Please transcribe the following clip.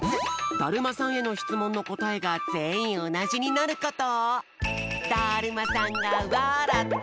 だるまさんへのしつもんのこたえがぜんいんおなじになること。